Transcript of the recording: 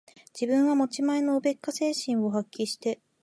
自分は持ち前のおべっか精神を発揮して、